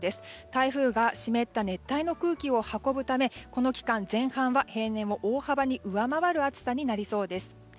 台風が湿った熱帯の空気を運ぶためこの期間前半は平年を大幅に上回る暑さになりそうです。